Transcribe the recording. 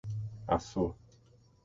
Assu